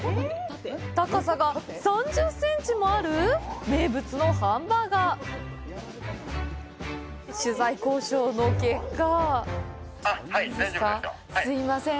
高さが３０ｃｍもある⁉名物のハンバーガー取材交渉の結果すいません